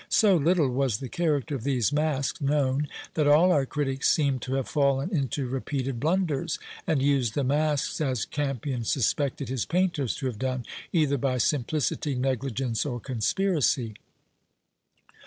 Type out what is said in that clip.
So little was the character of these Masques known, that all our critics seemed to have fallen into repeated blunders, and used the Masques as Campion suspected his painters to have done, "either by simplicity, negligence, or conspiracy."